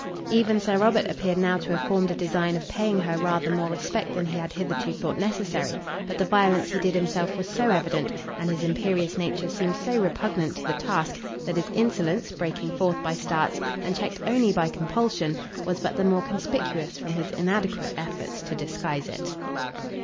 Even Sir Robert appeared now to have formed a design of paying her rather more respect than he had hitherto thought necessary; but the violence he did himself was so evident, and his imperious nature seemed so repugnant to the task, that his insolence, breaking forth by starts, and checked only by compulsion, was but the more conspicuous from his inadequate efforts to disguise it.